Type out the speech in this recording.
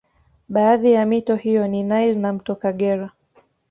Baadhi ya mito hiyo ni Nile na mto Kagera